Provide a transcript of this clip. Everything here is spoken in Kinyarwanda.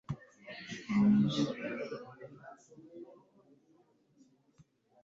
ariko umwana atangira kuvuga atya